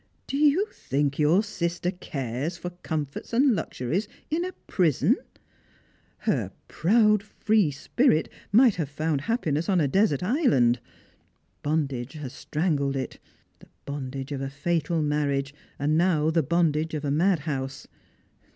Do you think your sistei cares for comforts and luxuries in a prison ? Her proud free spirit might have found hajipiness on a desert island. Bondage has strangled it — the bondage of a fatal marriage — and now the bondage of a madhouse.